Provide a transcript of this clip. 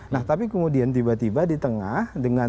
nah tapi kemudian tiba tiba di tengah dengan